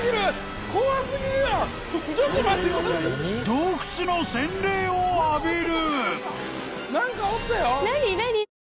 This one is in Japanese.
［洞窟の洗礼を浴びる］